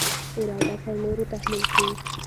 اراده پر نورو تحمیل کړي.